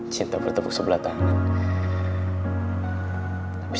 cinta bertepuk sebelah tangan